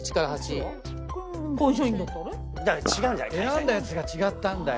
選んだやつが違ったんだよ。